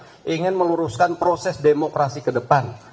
kita ingin meluruskan proses demokrasi kedepan